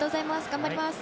頑張ります！